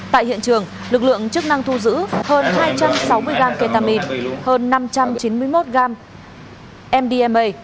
tại hiện trường lực lượng chức năng thu giữ hơn hai trăm sáu mươi gram ketamine hơn năm trăm chín mươi một gram mdma